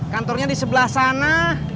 kantornya di sebelah sana